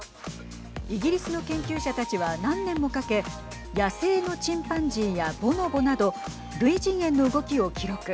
イギリスの研究者たちは何年もかけ野生のチンパンジーやボノボなど類人猿の動きを記録。